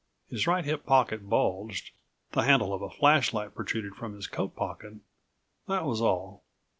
His right hip pocket bulged, the handle of a flashlight protruded from his coat pocket, that was all.